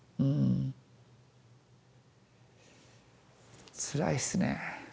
うんつらいですね。